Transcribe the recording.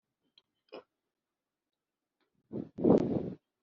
akiraho hanyura igihiriri cyabantu